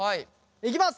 いきます。